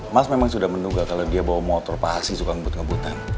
mas memang sudah menduga kalau dia bawa motor pasti suka ngebut ngebutan